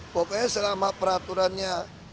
pokoknya selama peraturannya